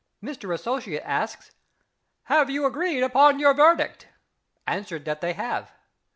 Mister Associate asks: "Have you agreed upon your verdict?" Answered that they have.